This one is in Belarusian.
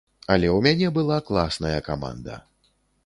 Але ў мяне была класная каманда.